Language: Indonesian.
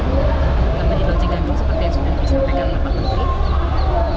tapi di lodji gandruk seperti yang sudah disampaikan oleh pak menteri